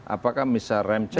apakah bisa rem check